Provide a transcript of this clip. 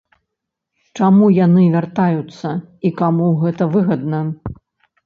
Чаму яны вяртаюцца і каму гэта выгадна?